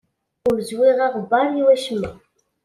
Ur zewwiɣ aɣebbar i wacemma.